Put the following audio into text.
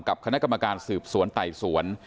กับคณะกรรมการสืบสวนไต่สวน